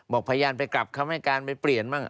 พยานไปกลับคำให้การไปเปลี่ยนบ้าง